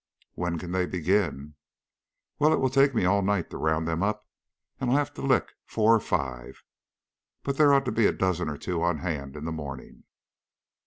"When can they begin?" "Well, it will take me all night to round them up, and I'll have to lick four or five, but there ought to be a dozen or two on hand in the morning."